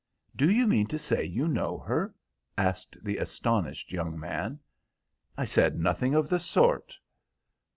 "Do you mean to say you know her?" asked the astonished young man. "I said nothing of the sort."